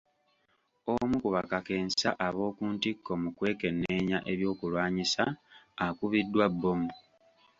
Omu ku bakakensa ab'oku ntikko mu kwekenneenya ebyokulwanyisa akubiddwa bbomu.